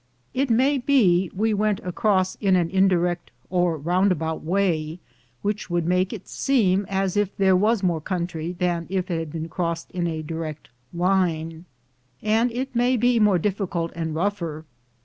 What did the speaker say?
It may be we went across in an indirect or roundabout way, which would make it seem as if there was more country than if it had been crossed in a direct line, and it may be more difficult and rougher.